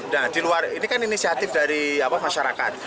nah di luar ini kan inisiatif dari masyarakat